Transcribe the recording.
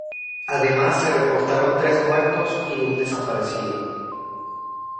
Además, se reportaron tres muertos y un desaparecido.